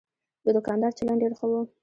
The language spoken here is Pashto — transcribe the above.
د دوکاندار چلند ډېر ښه و.